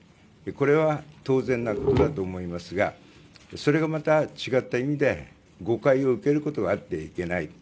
これは当然なことだと思いますがそれがまた、違った意味で誤解を受けることがあってはいけない。